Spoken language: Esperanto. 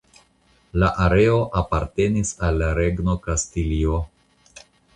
La areo apartenis al la Regno Kastilio.